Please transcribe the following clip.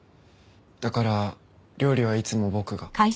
だから料理はいつも僕が。